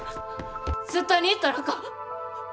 絶対に行ったらあかん！